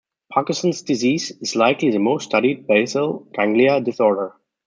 Parkinson's Disease is likely the most studied basal ganglia disorder.